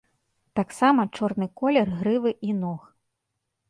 Таксама чорны колер грывы і ног.